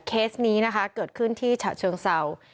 เคสนี้นะคะเกิดขึ้นที่ฉะเชิงเศร้า